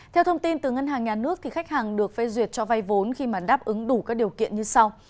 theo thông tin từ ngân hàng nhà nước khách hàng được phê duyệt cho vay vốn khi mà đáp ứng đủ các điều kiện như sau